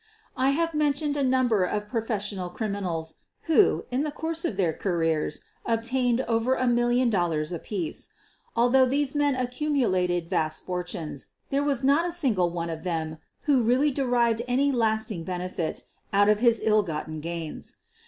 I have mentioned a number of professional crim inals who, in the course of their careers, obtained over a million dollars apiece. Although these men accumulated vast fortunes, there was not a single one of them who really derived any lasting benefit out of his ill gotten gains.